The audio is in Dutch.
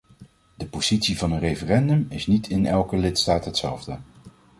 De positie van een referendum is niet in elke lidstaat hetzelfde.